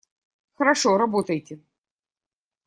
Хорошо. Работайте!